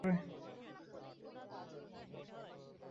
সে অন্য এক ছাত্রের উপর তার রাগ প্রকাশ করে।